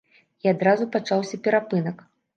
І адразу пачаўся перапынак.